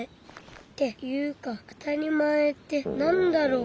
っていうかあたりまえってなんだろう。